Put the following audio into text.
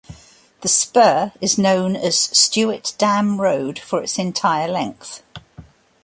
The spur is known as Stuart Dam Road for its entire length.